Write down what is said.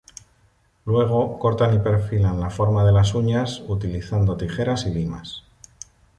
Luego, cortan y perfilan la forma de las uñas utilizando tijeras y limas.